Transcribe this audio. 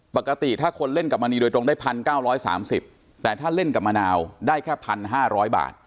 ปกติถ้าคนเล่นกับมณีโดยตรงได้๑๙๓๐แต่ถ้าเล่นกับมะนาวได้แค่๑๕๐๐บาท